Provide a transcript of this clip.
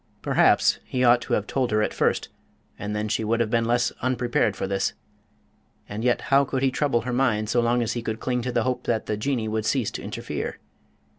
Perhaps he ought to have told her at first, and then she would have been less unprepared for this and yet how could he trouble her mind so long as he could cling to the hope that the Jinnee would cease to interfere?